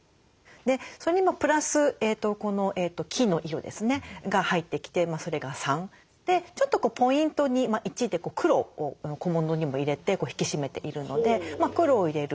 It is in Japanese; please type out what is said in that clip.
それにプラスこの木の色ですねが入ってきてそれが３。でちょっとポイントに１で黒を小物にも入れて引き締めているので黒を入れる。